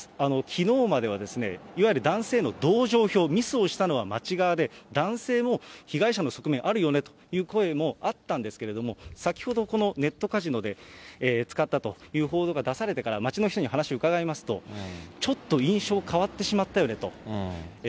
きのうまでは、いわゆる男性への同情票、ミスをしたのは町側で、男性も被害者の側面あるよねという声もあったんですけれども、先ほど、このネットカジノで使ったという報道が出されてから、町の人に話を伺いますと、ちょっと印象変わってしまったよねと。